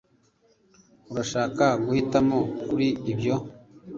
Urashaka guhitamo kuri ibyo